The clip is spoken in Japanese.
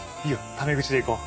タメ口でいこう。